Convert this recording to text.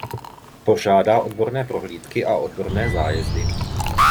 Pořádá odborné prohlídky a odborné zájezdy.